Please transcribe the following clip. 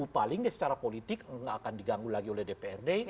palingnya secara politik enggak akan diganggu lagi oleh dprd